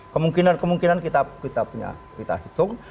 kemungkinan kemungkinan kita punya kita hitung